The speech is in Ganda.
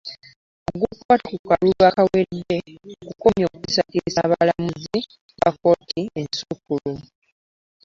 Ogukwata ku kalulu ka akawedde okukomya okutiisatiisa abalamuzi ba kkooti ensukkulumu.